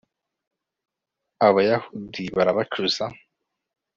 abayahudi barabacuza